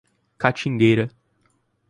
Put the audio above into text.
Catingueira